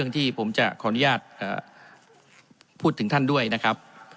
ที่ผมจะขออนุญาตพูดถึงท่านด้วยนะครับ